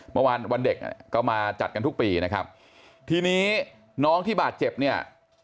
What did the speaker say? เมื่อวานวันเด็กก็มาจัดกันทุกปีนะครับทีนี้น้องที่บาดเจ็บเนี่ย